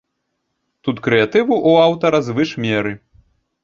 Тут крэатыву ў аўтара звыш меры.